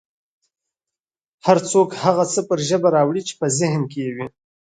هر څوک هغه څه پر ژبه راوړي چې په ذهن کې یې وي